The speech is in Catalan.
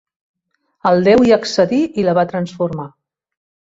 El déu hi accedí i la va transformar.